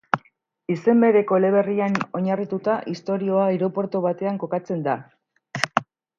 Izen bereko eleberrian oinarrituta, istorioa aireportu batean kokatzen da.